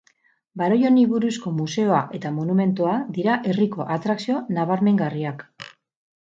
Baroi honi buruzko museoa eta monumentua dira herriko atrakzio nabarmengarriak.